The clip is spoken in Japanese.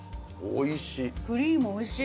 おいしい。